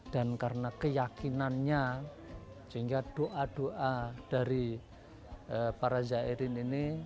dan karena keyakinannya sehingga doa doa dari para zairin ini